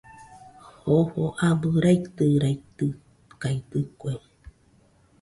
Jofo abɨ raitɨraitɨkaɨdɨkue.